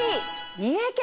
三重県。